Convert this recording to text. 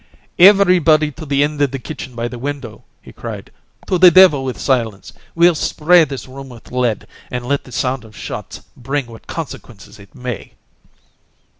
"Everybody to the end of the kitchen by the window!" he cried. "To the devil with silence we'll spray this room with lead, and let the sound of shots bring what consequences it may!"